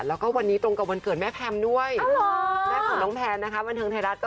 แล้วก็วันนี้ตรงกับวันเกิดแม่แพมด้วยแม่ของน้องแพนนะคะบันเทิงไทยรัฐก็